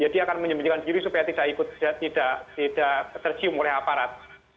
dia akan menyembunyikan diri supaya tidak tercium oleh aparat